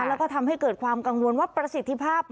แล้วก็ทำให้เกิดความกังวลว่าประสิทธิภาพ